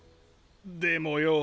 でもよ